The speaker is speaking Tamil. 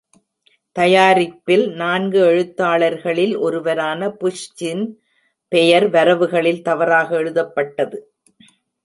தயாரிப்பில் நான்கு எழுத்தாளர்களில் ஒருவரான புஷ்சின் பெயர் வரவுகளில் தவறாக எழுதப்பட்டது.